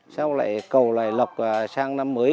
sau lại cầu lại lọc sang năm mới